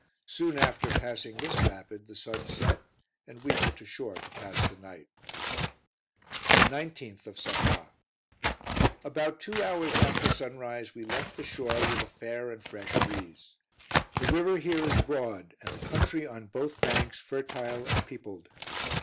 Soon after passing this rapid the sun set, and we put to shore to pass the night. 19th of Safa. About two hours after sunrise we left the shore with a fair and fresh breeze. The river here is broad, and the country on both banks fertile and peopled.